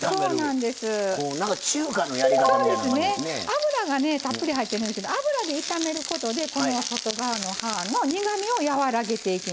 油がねたっぷり入ってるんですけど油で炒めることでこの外側の葉の苦みをやわらげていきますね。